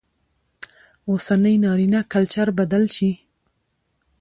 اوسنى نارينه کلچر بدل شي